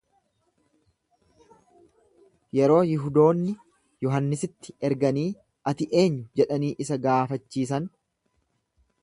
Yeroo Yihudoonni Yohannisitti erganii, Ati eenyu jedhanii isa gaafachiisan.